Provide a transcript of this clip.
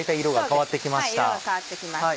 色が変わって来ました。